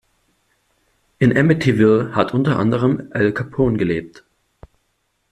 In Amityville hat unter anderem Al Capone gelebt.